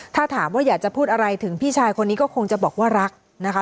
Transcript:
ถ้าถามว่าอยากจะพูดอะไรถึงพี่ชายคนนี้ก็คงจะบอกว่ารักนะคะ